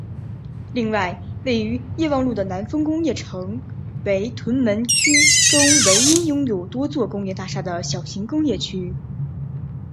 另外位于业旺路的南丰工业城为屯门区中唯一拥有多座工业大厦的小型工业区。